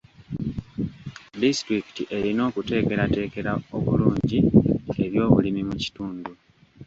Disitulikiti erina okuteekerateekera obulungi ebyobulimi mu kitundu .